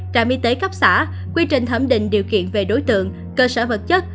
trạm y tế cấp xã quy trình thẩm định điều kiện về đối tượng cơ sở vật chất